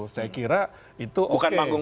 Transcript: saya kira itu oke